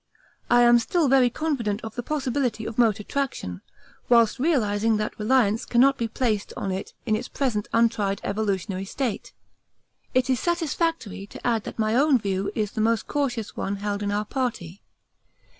I am still very confident of the possibility of motor traction, whilst realising that reliance cannot be placed on it in its present untried evolutionary state it is satisfactory to add that my own view is the most cautious one held in our party.